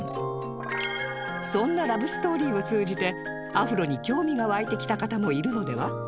そんなラブストーリーを通じてアフロに興味が湧いてきた方もいるのでは？